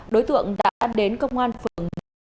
đối tượng đã đến công an phường một mươi một